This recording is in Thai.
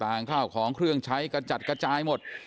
ภาษาของเครื่องใช้กระจัดกระจายที